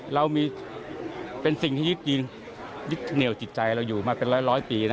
เรามีเป็นสิ่งที่ยึดเหนียวจิตใจเราอยู่มาเป็นร้อยปีนะ